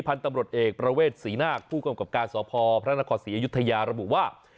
พันธ์ตำรวจเอกประเวทศรีนากผู้กรรมการสพพนสริยุธัยาระบุว่า